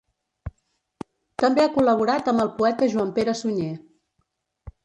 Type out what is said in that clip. També ha col·laborat amb el poeta Joan-Pere Sunyer.